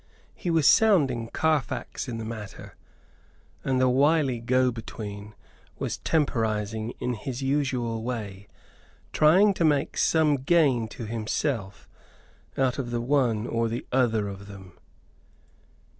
He was sounding Carfax in the matter, and the wily go between was temporizing in his usual way trying to make some gain to himself out of one or the other of them.